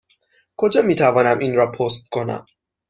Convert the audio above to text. کجا می توانم این را پست کنم؟